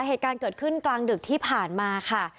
เหตุการณ์เกิดขึ้นกลางดึกที่ผ่านมาค่ะ